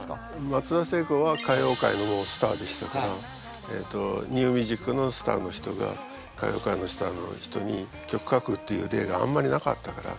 松田聖子は歌謡界のスターでしたからニューミュージックのスターの人が歌謡界のスターの人に曲書くっていう例があんまりなかったから。